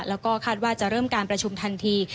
แล้วก็คาดว่าจะเริ่มการประชุมทันที